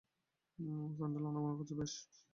সাণ্ডেল আনাগোনা করছে, বেশ বেশ।